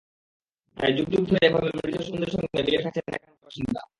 তাই যুগ যুগ ধরে এভাবে মৃত স্বজনদের সঙ্গে মিলেমিশে থাকছেন এখানকার বাসিন্দারা।